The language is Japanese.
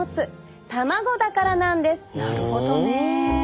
なるほどね。